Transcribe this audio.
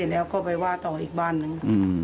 แล้วก็ไปว่าต่ออีกบ้านหนึ่ง